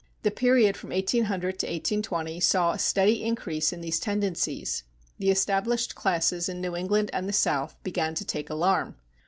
The period from 1800 to 1820 saw a steady increase in these tendencies. The established classes in New England and the South began to take alarm.